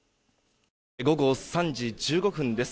午後３時１５分です。